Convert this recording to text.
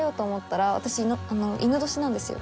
私戌年なんですよ。